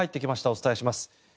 お伝えします。